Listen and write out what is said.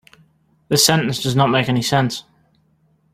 This sentence does not make any sense.